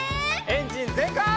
エンジンぜんかい！